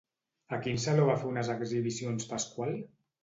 A quin saló va fer unes exhibicions Pascual?